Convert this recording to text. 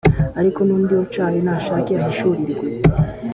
ariko undi wicaye nashoka ahishurirwa